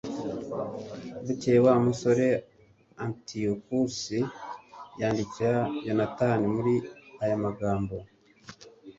bukeye, wa musore antiyokusi yandikira yonatani muri ayo magambo